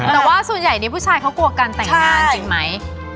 แต่ว่าส่วนใหญ่นี้ผู้ชายกลัวกันแต่งงานว่าจริงมั้ย